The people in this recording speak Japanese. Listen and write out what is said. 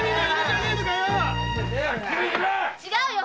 違う！